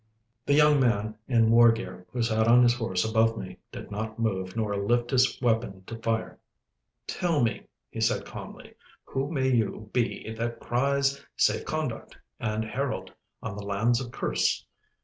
The young man in war gear who sat his horse above me, did not move nor lift his weapon to fire. 'Tell me,' he said calmly, 'who may you be that cries "Safe Conduct!" and "Herald!" on the lands of Kerse?